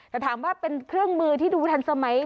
แต่ถามว่าเป็นเครื่องมือที่ดูทันสมัย